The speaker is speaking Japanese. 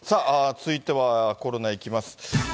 続いては、コロナいきます。